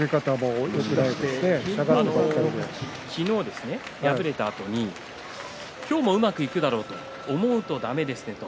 昨日、敗れたあとに今日もうまくいくだろうと思うとだめですと。